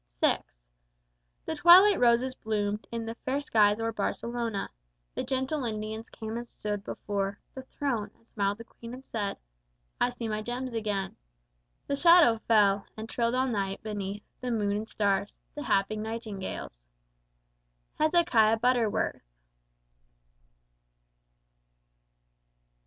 VI The twilight roses bloomed In the far skies o'er Barcelona. The gentle Indians came and stood before The throne, and smiled the queen, and said: "I see my gems again." The shadow fell, And trilled all night beneath the moon and stars The happy nightingales. HEZEKIAH BUTTERWORTH.